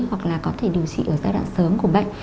hoặc là có thể điều trị ở giai đoạn sớm của bệnh